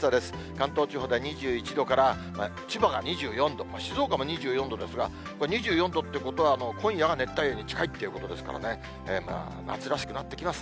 関東地方では２１度から、千葉が２４度、静岡も２４度ですが、これ、２４度ってことは、今夜が熱帯夜に近いということですからね、夏らしくなってきます。